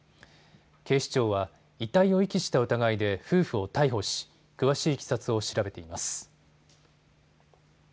警視庁は遺体を遺棄した疑いで夫婦を逮捕し、詳しいいきさつを調べています。